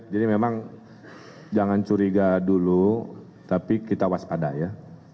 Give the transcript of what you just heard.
memang jangan curiga dulu tapi kita waspada ya